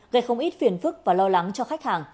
gây không ít phiền phức và lo lắng cho khách hàng